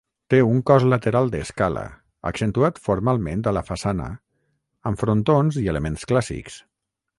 Té un cos lateral d'escala, accentuat formalment a la façana, amb frontons i elements clàssics.